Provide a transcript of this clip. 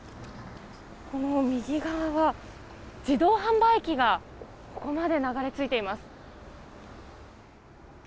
その右側は、自動販売機がここまで流れ着いています。